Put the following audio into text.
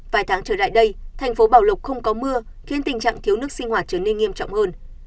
vài tháng trở lại đây thành phố bảo lộc không có mưa khiến tình trạng thiếu nước sinh hoạt trở nên nghiêm trọng hơn